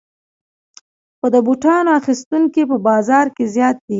خو د بوټانو اخیستونکي په بازار کې زیات دي